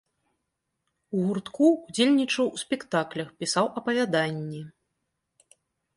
У гуртку ўдзельнічаў у спектаклях, пісаў апавяданні.